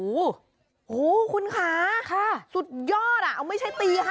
โอ้โฮคุณคะสุดยอดอะไม่ใช่ตี๕